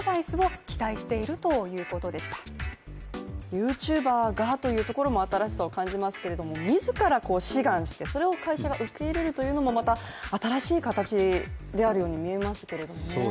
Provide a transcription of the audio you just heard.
ＹｏｕＴｕｂｅｒがというところも新しさを感じますけれども自ら志願して、それを会社が受け入れるというのもまた新しい形であるように見えますけれどもね。